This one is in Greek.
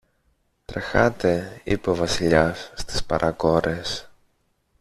Τρεχάτε, είπε ο Βασιλιάς στις παρακόρες